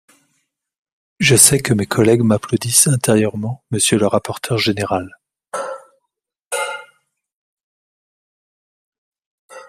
Je sais que mes collègues m’applaudissent intérieurement, monsieur le rapporteur général